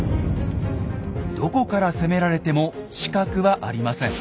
どこから攻められても死角はありません。